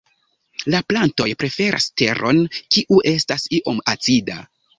La plantoj preferas teron, kiu estas iom acida.